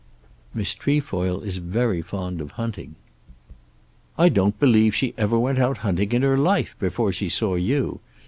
"Miss Trefoil is very fond of hunting." "I don't believe she ever went out hunting in her life before she saw you.